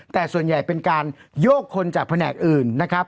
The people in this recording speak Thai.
แต่ส่วนใหญ่เป็นการโยกคนจากแผนกอื่นนะครับ